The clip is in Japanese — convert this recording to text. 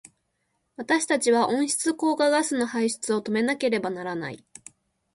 私たちは温室効果ガスの排出を止めなければならない。